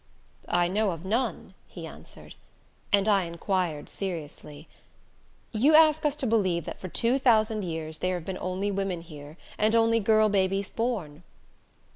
"I know of none," he answered, and I inquired seriously. "You ask us to believe that for two thousand years there have been only women here, and only girl babies born?"